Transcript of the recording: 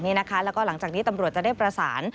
แล้วก็หลังจากนี้ตำรวจจะได้ประสาน